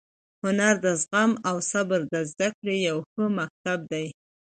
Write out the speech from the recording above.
هنر د زغم او صبر د زده کړې یو ښه مکتب دی.